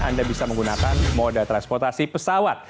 anda bisa menggunakan moda transportasi pesawat